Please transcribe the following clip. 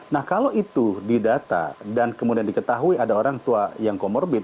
nah kalau itu didata dan kemudian diketahui ada orang tua yang comorbid